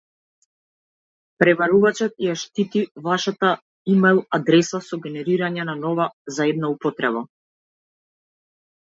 Пребарувачот ја штити вашата имејл адреса со генерирање на нова за една употреба